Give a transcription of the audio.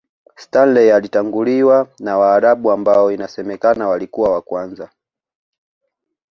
Stanley alitanguliwa na Waarabu ambao inasemakana walikuwa wa kwanza